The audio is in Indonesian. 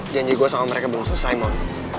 janji gue sama mereka belum selesai simon